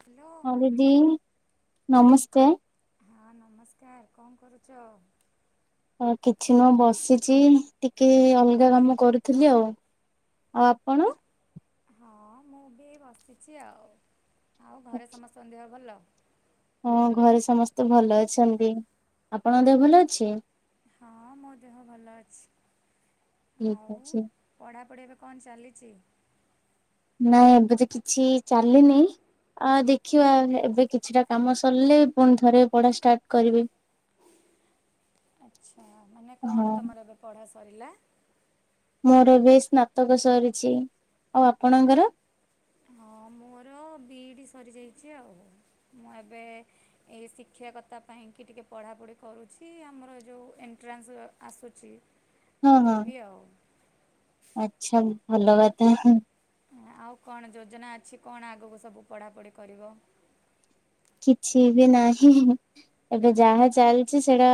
Hello ହଁ ଦିଦି ନମସ୍ତେ। ହଁ ନମସ୍କାର କଣ କରୁଚ? ହ କିଛିନୂହ ବସିଛି ଟିକେ ଅଲଗା କାମ କରୁଥିଲି ଆଉ ଆଉ ଆପଣ? ହଁ ମୁଁ ବି ବସିଛି ଆଉ ଆଉ ଘରେ ସମସ୍ତଙ୍କ ଦେହ ଭଲ? ହଁ ଘରେ ସମସ୍ତେ ଭଲ ଅଛନ୍ତି। ଆପଣଙ୍କ ଦେହ ଭଲ ଅଛି? ହଁ ମୋ ଦେହ ଭଲ ଅଛି। ଆଉ ଠିକ୍ ଅଛି। ପଢ଼ାପଢ଼ି ଏବେ କଣ ଚାଲିଛି? ନାଇଁ ଏବେ ତ କିଛି ଚାଲିନି ଆ ଦେଖିବା ଏ ଏବେ କିଛିଟା କାମ ସରିଲେ ପୁଣି ଥରେ ପଢା ଷ୍ଟାର୍ଟ କରିବି। ଆଚ୍ଛା। ମାନେ ହଁ କଣ ତମର ଏବେ ପଢ଼ା ସରିଲା? ମୋର ଏବେ ସ୍ନାତକ ସରିଛି ଆଉ ଆପଣଙ୍କର? ହଁ ମୋର ବିଇଡ଼ି ସରିଯାଇଛି ଆଉ ମୁଁ ଏବେ ଏଇ ଶିକ୍ଷାକତା ପାଇଁକି ଟିକେ ପଢ଼ାପଢ଼ି କରୁଛି ଆମର ଯୋଉ ଏଣ୍ଟ୍ରାନ୍ସ ଆସୁଚି ହଁ ହଁ ଆଚ୍ଛା ଭଲ କଥା। ଆଉ କଣ ଯୋଜନା ଅଛି କଣ ଆଗକୁ ସବୁ ପଢ଼ାପଢ଼ି କରିବ? କିଛି ବି ନାହିଁ। ଏବେ ଯାହା ଚାଲିଛି ସେଇଟା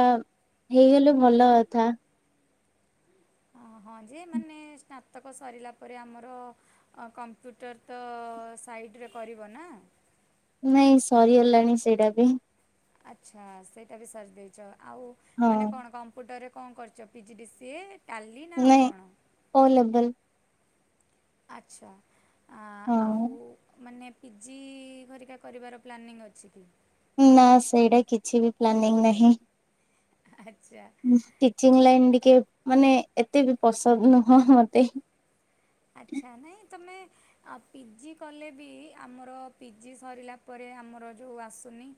ହେଇଗଲେ ଭଲ କଥା। ହଁ ଯେ ମାନେ ସ୍ନାତକ ସରିଲା ପରେ ଆମର କମ୍ପ୍ୟୁଟର ତ ସାଇଡ଼ରେ କରିବ ନା? ନାଇଁ ସରିଗଲାଣି ସେଇଟା ବି। ଆଚ୍ଛା। ସେଇଟା ବି ସାରିଦେଇଛ ଆଉ ହଁ ମାନେ କଣ କମ୍ପ୍ୟୁଟରରେ କଣ କରିଛ ପିଜିଡ଼ିସିଏ ଟାଲି ନା ଆଉ କଣ? କୋଉ ଲେବୁଲ। ଆଚ୍ଛା ଆ ହଁ ଆଉ ମାନେ ପିଜି ଘରିକା କରିବାର ପ୍ଲାନିଂ ଅଛି କି? ନା ସେଇଟା କିଛି ବି ପ୍ଲାନିଂ ନାହିଁ। ଆଚ୍ଛା। ଟିଚିଂ ଲାଇନ୍ ଟିକେ ମାନେ ଏତେ ବି ପସନ୍ଦ ନୁହଁ ମତେ। ଆଚ୍ଛା ନାଇଁ ତମେ ଆଉ ପିଜି କଲେ ବି ଆମର ପିଜି ସରିଲା ପରେ ଆମର ଯୋଉ ଆସୁନି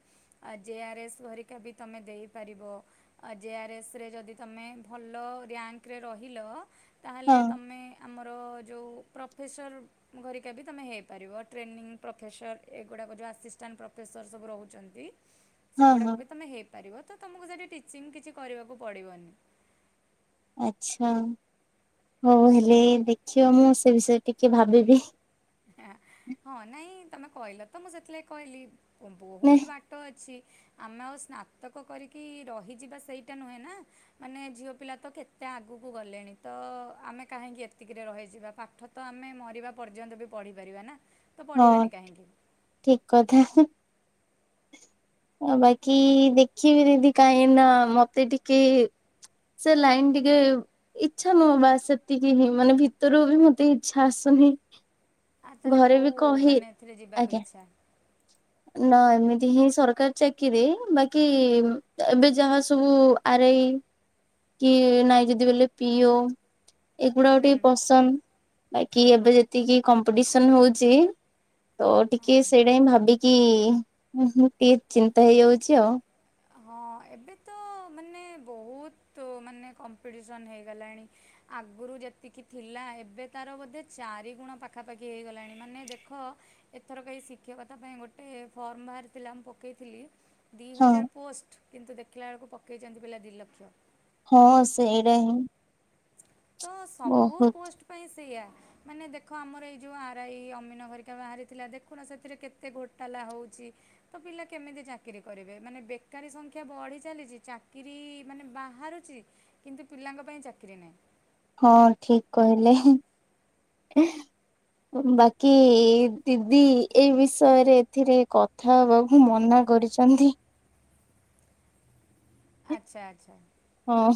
ଆ ଜେ ଆର୍ ଏସ୍ ଘରିକା ବି ତମେ ଦେଇପାରିବ। ଆ ଜେ ଆର୍ ଏସ୍ ରେ ଯଦି ତମେ ଭଲ ର୍ୟାଙ୍କରେ ରହିଲ ତାହେଲେ ହଁ ତମେ ଆମର ଯୋଉ ପ୍ରଫେସର ଘରିକା ବି ତମେ ହେଇପାରିବ ଟ୍ରେନିଂ ପ୍ରଫେସର ଏଗୁଡ଼ାକ ଯୋଉ ଆସିଷ୍ଟାଣ୍ଟ ପ୍ରଫେସର ସବୁ ରହୁଛନ୍ତି। [inaudible] ସେଗୁଡ଼ାକ ବି ତମେ ହେଇପାରିବ ତ ତମେ ତମକୁ ସେଠି ଟିଚିଂ କିଛି କରିବାକୁ ପଡ଼ିବନି। ଆଚ୍ଛା ହଉ ହେଲେ ଦେଖିବା ମୁଁ ସେ ବିଷୟରେ ଟିକେ ଭାବିବି। ହଁ ନାଇଁ ତମେ କହିଲ ତ ମୁଁ ସେତଥିଲାଗି କହିଲି ନା ବହୁତ ବା ଟ ଅଛି ଆମେ ଆଉ ସ୍ନାତକ କରିକି ରହିଯିବା ସେଇଟା ନୁହେଁ ନା। ମାନେ ଝିଅ ପିଲା ତ କେତେ ଆଗକୁ ଗଲେଣି ତ ଆମେ କାହିଁକି ଏତିକିରେ ରହିଯିବା ପାଠ ତ ଆମେ ମରିବା ପର୍ଯ୍ୟନ୍ତ ବି ପଢି ପାରିବା ନା। ତ ହଁ ପଢ଼ିବାନି କାହିଁକି ଠିକ କଥା। ଆ ବାକି ଦେଖିବି ଦିଦି କାହିଁ ନା ମତେ ଟିକେ ସେ ଲାଇନ୍ ଟିକେ ଇଚ୍ଛା ନୁହଁ ବା ସେତିକି ହିଁ ମାନେ ଭିତରୁ ବି ମତେ ଇଚ୍ଛା ଆସୁନି। ଆ ତାହେଲେ ଘରେ ବି କୋଉ କହି ମାନେ ଏଥିରେ ଯିବାକୁ ଆଜ୍ଞା ଇଚ୍ଛା। ନା ଏମିତି ହିଁ ସର କାରି ଚାକିରି ବାକି ଏବେ ଯାହା ସବୁ ଆରାଇ କି ନାଇଁ ଯଦି ବୋଇଲେ ପିଓ। ଏଗୁଡାକ ଟିକେ ହୁଁ ପସନ୍ଦ ବାକି ଏବେ ଯେତିକି କମ୍ପିଟିସନ ହଉଚି ତ ଟିକେ ସେଇଟା ହିଁ ଭାବିକି ଟିକେ ଚିନ୍ତା ହେଇଯାଉଛି ଆଉ। ହଁ ଏବେ ତ ମାନେ ବହୁତୁ ମାନେ କମ୍ପିଟିସନ୍ ହେଇଗଲାଣି। ଆଗରୁ ଯେତିକି ଥିଲା ଏବେ ତାର ବୋଧେ ଚାରିଗୁଣ ପାଖାପାଖି ହେଇଗଲାଣି ମାନେ ଦେଖ ଏଥରକ ଏହି ଶିକ୍ଷକତା ପାଇଁ ଗୋଟେ ଫର୍ମ ବାହାରିଥିଲା ମୁଁ ପକେଇଥିଲି। ଦି ହଁ ହଜାର ପୋଷ୍ଟ କିନ୍ତୁ ଦେଖିଲା ବେଳକୁ ପକେଇଛନ୍ତି ପିଲା ଦି ଲକ୍ଷ। ହଁ ସେଇଟା ହିଁ। ତ ସବୁ ବହୁତ ପୋଷ୍ଟ ପାଇଁ ସେଇଆ। ମାନେ ଦେଖ ଆମର ଏଇ ଯୋଉ ଆରଇ ଅମିନ ହରିକା ବାହାରିଥିଲା ଦେଖୁନ ସେଥିରେ କେତେ ଘୋଟାଲା ହଉଛି। ତ ପିଲା କେମିତି ଚାକିରୀ କରିବେ ମାନେ ବେକାରୀ ସଂଖ୍ୟା ବଢି ଚାଲିଛି ଚାକିରି ମାନେ ବା ବାହାରୁଛି କିନ୍ତୁ ପିଲାଙ୍କ ପାଇଁ ଚାକିରି ନାହିଁ। ହଁ ଠିକ କହିଲେ। ବାକି ଦିଦି ଏଇ ବିଷୟରେ ଏଥିରେ କ ଥା ହବାକୁ ମନା କରିଛନ୍ତି। ଆଚ୍ଛା ଆଚ୍ଛା। ହଁ।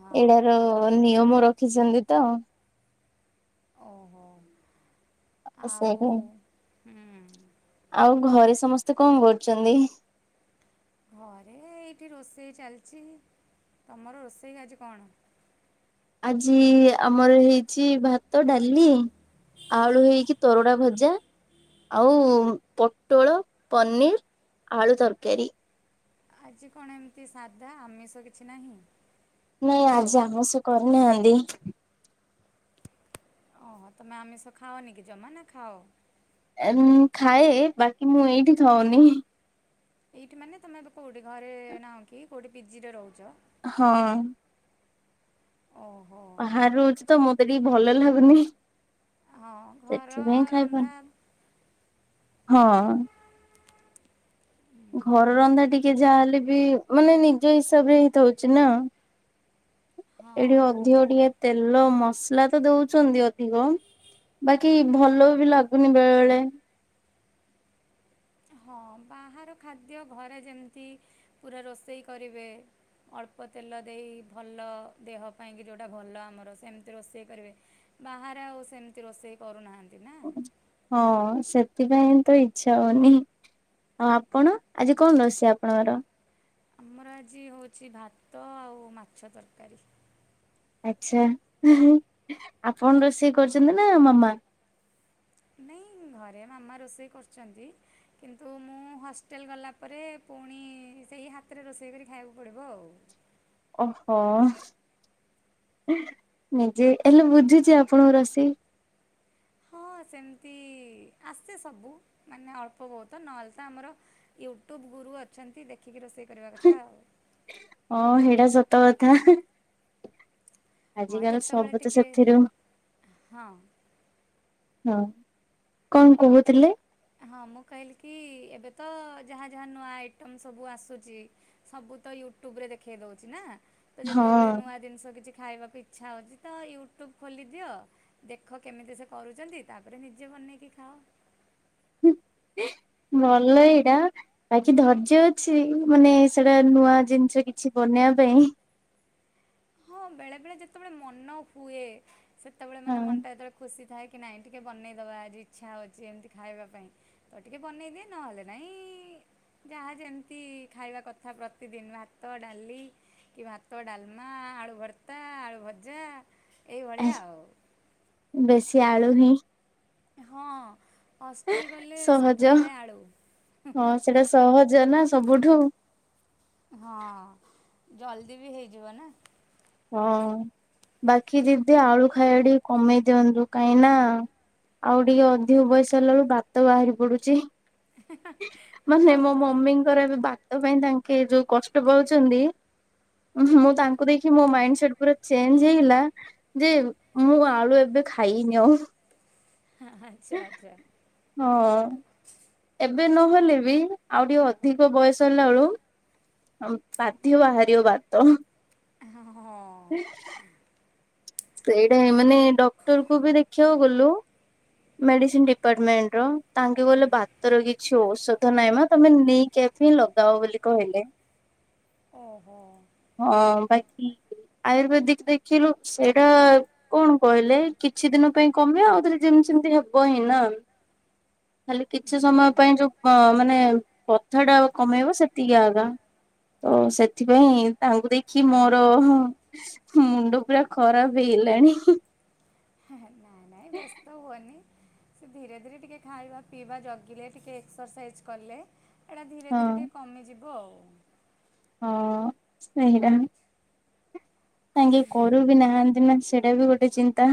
ହଁ ଏଇଟାର ଆ- ନିୟମ ରଖିଛନ୍ତି ତ। ଓହୋ। ଆଉ ସେହିଁ ହୁଁ ଆଉ ଘରେ ସମସ୍ତେ କଣ କରୁଛନ୍ତି? ଘରେ ଏଇଠି ରୋଷେଇ ଚାଲିଛି ତମର ରୋଷେଇ ଆଜି କଣ? ଆଜି ଆମର ହେଇଛି ଭା ତ ଡାଲି ଆଳୁ ହେଇକି ତରଡ଼ା ଭଜା ଆଉ ପଟୋଳ ପନିର୍ ଆଳୁ ତରକାରୀ। ଆଜି କଣ ଏମିତି ସାଧା ଆମିଷ କିଛି ନାହିଁ? ନାଇଁ ଆଜି ଆମିସ କରିନାହାନ୍ତି। ଓହୋ ତମେ ଆମିଷ ଖାଅନି କି ଜମା ନା ଖାଅ? ମୁଁ ଖାଏ ବାକି ମୁଁ ଏଇଠି ଖାଉନି ଏଇଠି ମାନେ ତମେ କୋଉଠି ଘରେ ନାହଁ କି କୋଉଠି ବିଜି ରେ ରହୁଛ? ହଁ ଓହୋ ବାହାରୁ ରହୁଛି ତ ମୋତେ ଟିକେ ଭଲ ଲାଗୁନି ହଁ ଘର ସେଥିପାଇଁ ଖାଇବନି ରନ୍ଧା ହଁ ଘର ରନ୍ଧା ଟିକେ ଯାହେଲେ ବି ମାନେ ନିଜ ହିସାବରେ ହେଇଥଉଛି ନା ହଁ। ଏଇଠି ଅଧିକ ଟିକେ ତେଲ ମସଲା ତ ଦଉଛନ୍ତି ଅଧିକ ବାକି ଭଲ ବି ଲାଗୁନି ବେଳେ ବେଳେ ହଁ ବାହାର ଖାଦ୍ୟ ଘରେ ଯେମିତି ପୁରା ରୋଷେଇ କରିବେ ଅଳ୍ପ ତେଲ ଦେଇ ଭଲ ଦେହ ପାଇଁକି ଯେଉଟା ଭଲ ଆମର ସେମିତି ରୋଷେଇ କରିବେ ବାହାରେ ଆଉ ସେମିତି ରୋଷେଇ କରୁନାହାନ୍ତି ନା ହଁ ସେଥିପାଇଁ ତ ଇଚ୍ଛା ହଉନି ହଉ ଆପଣ ଆଜି କଣ ରୋଷେଇ ଆପଣଙ୍କର ଆମର ଆଜି ହେଉଛି ଭାତ ଆଉ ମାଛ ତରକାରୀ ଆଛା ଆପଣ ରୋଷେଇ କରିଛନ୍ତି ନା ମାମା ନାଇଁ ଘରେ ମାମା ରୋଷେଇ କରୁଛନ୍ତି କିନ୍ତୁ ମୁଁ ହଷ୍ଟେଲ ଗଲା ପରେ ପୁଣି ସେହି ହାତରେ ରୋଷେଇ କରି ଖାଇବାକୁ ପଡ଼ିବ ଆଉ ଓହୋ ନିଜେ ହେଲେ ବୁଝୁଛି ଆପଣଙ୍କ ରୋଷଇ ହଁ ସେମିତି ଆସେ ସବୁ ମାନେ ଅଳ୍ପ ବହୁତ ନହେଲେ ତ ଆମର ୟୁଟ୍ୟୁବ ଗୁରୁ ଅଛନ୍ତି ଦେଖିକି ରୋଷେଇ କରିବା କଥା ଆଉ ହଁ ସେଇଟା ସତ କଥା ଆଜି ହଁ କାର ଯେତେବେଳେ ସବୁ ତ ଟିକେ ସେଥିରୁ ହଁ। ହଁ କଣ କହୁଥିଲେ? ହଁ ମୁଁ କହିଲି କି ଏବେ ତ ଯାହା ଯାହା ନୂଆ ଆଇଟମ୍ ସବୁ ଆସୁଛି ସବୁ ତ ୟୁଟ୍ୟୁବ ରେ ଦେଖେଇ ଦଉଛି ନା ତ ଯେତେବେଳେ ହଁ ନୂଆ ଜିନିଷ କିଛି ଖାଇବାକୁ ଇଚ୍ଛା ହଉଛି ତ ୟୁଟ୍ୟୁବ ଖୋଲିଦିଅ ଦେଖ କେମିତି ସେ କରୁଛନ୍ତି ତାପରେ ନିଜେ ବନେଇକି ଖାଅ ଭଲ ଏଇଟା ବାକି ଧୈର୍ଯ୍ୟ ଅଛି ମାନେ ସେଟା ନୂଆ ଜିନିଷ କିଛି ବନେଇବା ପାଇଁ ହଁ ବେଳେ ବେଳେ ଯେତେବେଳେ ମନ ହୁଏ ସେତେବେଳେ ମାନେ ମନ ହଁ। ଟା ଯେତେବେଳେ ଖୁସି ଥାଏ କି ନାଇଁ ଟିକେ ବନେଇଦେବା ଆଜି ଇଚ୍ଛା ହେଉଛି ଏମିତି ଖାଇବା ପାଇଁ ତ ଟିକେ ବନେଇଦିଏ ନହେଲେ ନାହିଁ ଯାହା ଯେମିତି ଖାଇବା କଥା ପ୍ରତିଦିନ ଭାତ ଡାଲି କି ଭାତ ଡାଲ ମା ଆଳୁ ଭର୍ତ୍ତା ଆଳୁ ଭଜା ଏ ଏଇଭଳିଆ ଆଉ ବେଶୀ ଆଳୁ ହିଁ ହଁ ହଷ୍ଟେଲ ଗଲେ ସହଜ ସବୁବେଳେ ଆଳୁ ହଁ ସେଇଟା ସହଜ ନା ସବୁଠୁ ହଁ ଜଲ୍ଦି ବି ହେଇଯିବ ନା ହଁ ବାକି ଦିଦି ଆଳୁ ଖାଇବା ଟିକେ କମେଇ ଦିଅନ୍ତୁ କାହିଁ ନା ଆଉ ଟିକେ ଅଧିକ ବୟସ ହେଲା ବଳକୁ ବାତ ବାହାରି ପଡୁଛି ମାନେ ହଁ ମୋ ମମି ତାଙ୍କର ବାତ ପାଇଁ ତାଙ୍କେ ଯୋଉ କଷ୍ଟ ପାଉଛନ୍ତି ମୁଁ ତାଙ୍କୁ ଦେଖି କି ମୋ ମାଇଣ୍ଡ ସେଟ ପୁରା ଚେଞ୍ଜ ହେଇଗଲା ଯେ ମୁଁ ଆଳୁ ଏବେ ଖାଇବିନି ଆଉ ହଁ ଆଚ୍ଛା ଆଚ୍ଛା ହଁ ଏବେ ନହେଲେ ବି ଆଉ ଟିକେ ଅଧିକ ବୟସ ହେଲା ବେଳକୁ ବାଧ୍ୟ ବାହାରିବ ବାତ। [inaudible] ସେଇଟା ମାନେ ଡକ୍ଟର୍ କୁ ବି ଦେଖିବାକୁ ଗଲୁ। ମେଡିସିନ୍‌ ଡ଼ିପାଟ୍ ମେଣ୍ଟ୍ ର ତାଙ୍କେ ଗଲେ ବା [inaudible] [inaudible] [inaudible] କ'ଣ କହିଲେ? କିଛି ଦିନ ପାଇଁ କମି--ଆଉ ରେ ଯେମିତି ହେବ ହିଁ ନା। ଖାଲି କିଛି ସମୟ ପାଇଁ ମାନେ ବଥା ଟା କମେଇବ ସେତିକି ଆଗା। ତ, ସେଥିପାଇଁ ତାଙ୍କୁ ଦେଖି ମର ମୁଣ୍ଡ ପୁରା ଖରାପ୍ ହେଇ ଲାଣି। ନାଇଁ ବ୍ୟସ୍ତ ହୁଅନି। ସେ ଧୀରେ ଧୀରେ ଟିକେ ଖାଇବା ପିଇବା ଜଗିଲେ, ଟିକେ ଏକ୍ସର୍ସାଇଜ୍ କଲେ। ଏଟା ଧୀରେ ହଁ ଧୀରେ ଟିକେ କମିଯିବ ଆଉ। [inaudible] ହୁଁ। କରୁ ବି ନାହାନ୍ତି, ସେଇଟା ବି ଗୋଟେ ଚିନ୍ତା।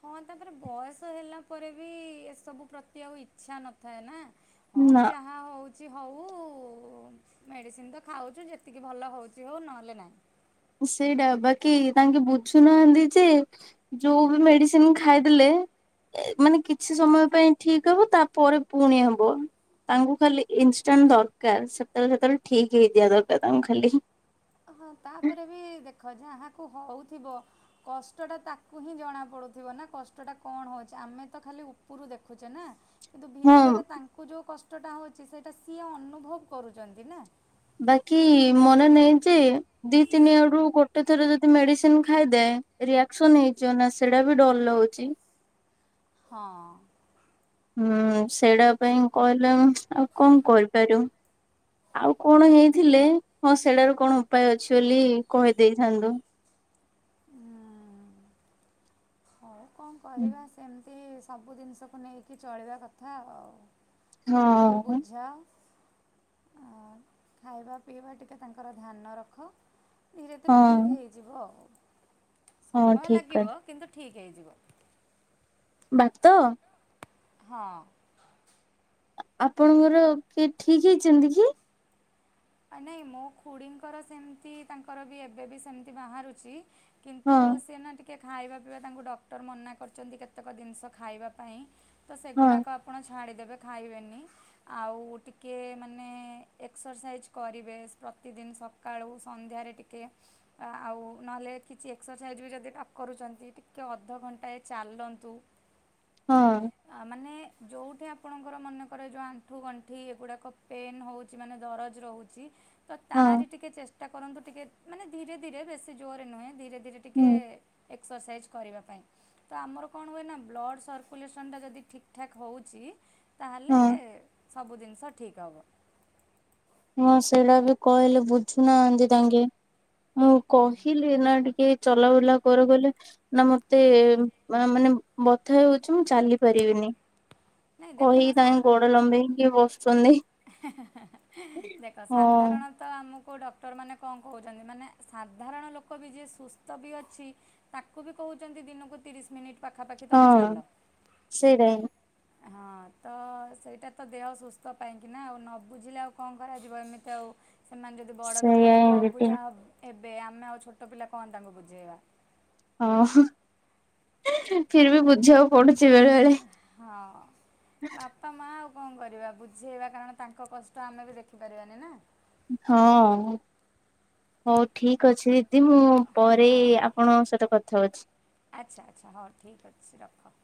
ହଁ, ତା'ପରେ ବୟସ ହେଲା ପରେ ବି ଏସବୁ ପ୍ରତି ଆଉ ଇଛା ନଥାଏ ନା। ହଁ, ନା। ଯାହା ହଉଚି ହଉ। ମେଡ଼ିସିନ୍‌ ତ ଖାଉଚୁ, ଯେତିକି ଭଲ ହଉଚି ହଉ, ନହେଲେ ନାହିଁ। ସେଇଟା ବାକି ତାଙ୍କେ ବୁଝୁନାହାନ୍ତି ଯେ ଯଉ ବି ମେଡ଼ିସିନ୍‌ ଖାଇ ଦେଲେ। ମାନେ କିଛି ସମୟ ପାଇଁ ଠିକ୍ ହବ, ତା'ପରେ ପୁଣି ହେବ। ତାଙ୍କୁ ଖାଲି ଇନ୍‌ଷ୍ଟାଣ୍ଡ୍ ଦର୍କାର୍, ଠିକ୍ ହେଇଯିବା ଦରକାର୍ ତାଙ୍କୁ ଖାଲି। ତା'ପରେ ବି ଦେଖ, ଯାହାକୁ ହଉଥିବ। କଷ୍ଟଟା ତାକୁ ହିଁ ଜଣାପଡୁଥିବ ନା। କଷ୍ଟଟା କ'ଣ ହଉଚି, ଆମେ ତ ଖାଲି ଉପୁରୁ ଦେଖୁଚେ ନା। କିନ୍ତୁ ହଁ ଭିତରେ ତାଙ୍କୁ ଯଉ କଷ୍ଟଟା ହଉଚି, ସେଇଟା ସିଏ ଅନୁଭବ୍ କରୁଚନ୍ତି ନା। [inaudible] ଦି, ତିନି ଆଡୁ ଗୋଟେ ଥର ଯଦି ମେଡ଼ିସିନ୍‌ ଖାଇଦେ, ରିଆକ୍ସନ୍‌ ହେଇଯିବ ନା, ସେ ବି ଡ଼ର୍ ଲାଗୁଚି। ହଁ! ହୁଁ, ସେଇ ପାଇଁ ଆଉ କ'ଣ କରିପାରିବୁ? ଆଉ କ'ଣ ହେଇଥିଲେ, ହଁ ସେ-----କ'ଣ ଉପାୟ ଅଛି ବୋଲି କହିଦେଇଥାନ୍ତୁ। ହୁଁ। ହଉ କ'ଣ କରିବା, ସେମ୍ତି ସବୁ ଦିନ୍‌ଷକୁ ନେଇକି ଚଳିବା କଥା ଆଉ। [inaudible] ଆ, ହଁ ଖାଇବା ପିଇବା ଟିକେ ତାଙ୍କର ଧ୍ୟାନ ରଖ। ଧୀରେ ଧୀରେ ହଁ ଠିକ୍ ହେଇ ଯିବ ଆଉ, ହଁ ସମୟ ଠିକ ଲାଗିବ କଥା କିନ୍ତୁ ଠିକ୍ ହେଇଯିବ। [inaudible] ହଁ! ଆପଣଙ୍କର କିଏ ଠିକ୍ ହେଇ--ନ୍ତି କି? ନାଇଁ ମୋ ଖୁଡ଼ିଙ୍କର ସେମ୍ତି, ତାଙ୍କର ବି ଏବେ ବି ସେମ୍ତି ବାହାରୁଚି। [inaudible] ହଁ ଟିକେ ଖାଇବା ପିଇବା ତାଙ୍କୁ ଡକ୍ଟର୍ ମନା କରିଚନ୍ତି, କେତେକ ଦିନ୍‌ଷ ଖାଇବା ପାଇଁ। ତ ହଁ ସେଗୁଡ଼ାକ ଆପଣ ଛାଡ଼ିଦେବେ ଖାଇବେନି, ଆଉ ଟିକିଏ ମାନେ ଏକ୍ସର୍ସାଇଜ୍ କରିବେ, ପ୍ରତି ଦିନ୍‌ ସକାଳୁ ସନ୍ଧ୍ୟାରେ ଟିକେ। ଆଉ ନହେଲେ କିଛି ଏକ୍ସର୍ସାଇଜ୍ ବି ଯଦି ନ କରୁଚନ୍ତି, ଟିକେ ଅଧ ଘଣ୍ଟାଏ ଚାଲନ୍ତୁ। [inaudible] ହଁ [inaudible] ଯଉଠେ ଆପଣଙ୍କର ମନେକରେ ଆଣ୍ଠୁ ଗଣ୍ଠି ଏଗୁଡ଼ାକ ପେନ୍ ହଉଚି। ମାନେ ଦରଜ ରହୁ ତ ହଁ ତାରି ଟିକେ ଚେଷ୍ଟା କରନ୍ତୁ, ଟିକେ ମାନେ ଧୀରେ ଧୀରେ ବେଶୀ ଜୋରେ ରେ ନୁହେଁ ଧୀରେ ଧୀରେ ଟିକେ, ହୁଁ ଏକ୍ସର୍ସାଇଜ୍‌ କରିବା ପାଇଁ। ତ ଆମର କଣ ହୁଏ ନା ବ୍ଲଡ଼ ସର୍କୁଲେସନ୍ଟା ଯଦି ଠିକ୍ ଠାକ୍ ହେଉଛି ତାହେଲେ ହଁ ସବୁ ଜିନିଷ ଠିକ୍ ହେବ। ହଁ ସେଇଟା ବି କହିଲେ ବୁଝୁନାହାନ୍ତି ତାଙ୍କେ। ମୁଁ କହିଲି ନା ଟିକେ ଚଲା ବୁଲା କରୁ ବୋଲି। ନା ମତେ ମାନେ ବଥା ହଉଛି ମୁଁ ଚାଲି ପାରିବିନି। ନାଇଁ ଦେଖୁନ କହିକି ତାଙ୍କେ ଗୋଡ ଲମ୍ବେଇକି ବସୁଛନ୍ତି। ହେ ହେ ହେ ହେ ଦେଖ ହଁ। ସାଧାରଣ ତଃ, ଆମକୁ ଡକ୍ଟରମାନେ କଣ କହୁଛନ୍ତି, ମାନେ ସାଧାରଣ ଲୋକ ବି ଯିଏ ସୁସ୍ଥ ବି ଅଛି ତାକୁ ବି କହୁଛନ୍ତି ଦିନକୁ ତିରିଶ ମିନିଟ ପାଖାପାଖି ତମେ ହଁ ଚାଲ। ସେଇଟା ହିଁ। ହଁ ତ ସେଇଟା ତ ଦେହ ସୁସ୍ଥ ପାଇଁ। କି ନା ଆଉ ନ ବୁଝିଲେ ଆଉ କଣ କରାଯିବ? ଏମିତି ଆଉ, ସେମାନେ ଯଦି ବଡ଼ ଲୋକ ସେଇଆ ହେଇକି ହିଁ ଦିଦି। ଅବୁଝା ହେବେ, ଆମେ ଆଉ ଛୋଟ ପିଲା କଣ ତାଙ୍କୁ ବୁଝେଇବା? ହଁ ଅଁ ଫିର ବି ବୁଝାଉ। ପଡ଼ୁଛି ବେଳେବେଳେ। ତ ମା ଆଉ କଣ କରିବା, ବୁଝେଇବା କାରଣ ତାଙ୍କ କଷ୍ଟ ଆମେ ବି ଦେଖିପାରିବାନି ନା। ହଁ, ହଉ ଠିକ ଅଛି। ଦିଦି, ମୁଁ ପରେ ଆପଣଙ୍କ ସହିତ କଥା ହଉଛି। ଆଛା ଆଛା, ହଉ ଠିକ୍ ଅଛି ରଖ।